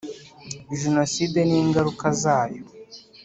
Jenoside n ingaruka zayo